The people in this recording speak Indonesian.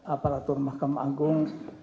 aparatur mahkamah agung